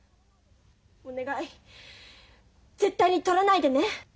お願い絶対にとらないでね。